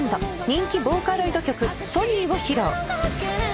人気ボーカロイド曲『フォニイ』を披露。